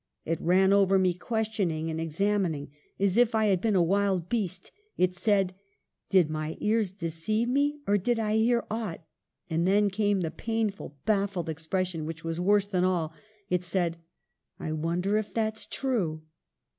It ran over me, ques tioning and examining, as if I had been a wild beast. It said, ' Did my ears deceive me, or did I hear aught ?' And then came the painful, baffled expression which was worse than all. It said, ' I wonder if that's true